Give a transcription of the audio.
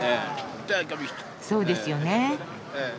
そうですよね。